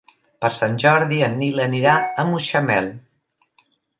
Per Sant Jordi en Nil anirà a Mutxamel.